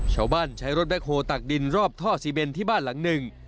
ใช้รถแบ็คโฮลตักดินรอบท่อซีเบนที่บ้านหลังหนึ่ง